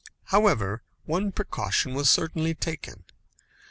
However, one precaution was certainly taken.